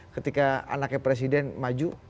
ketika anaknya presiden maju